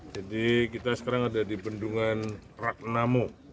jadi kita sekarang ada di bendungan ragnamo